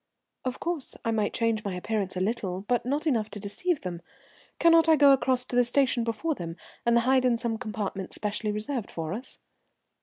"Of course I might change my appearance a little, but not enough to deceive them. Cannot I go across to the station before them and hide in some compartment specially reserved for us?"